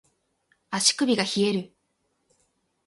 足首が冷える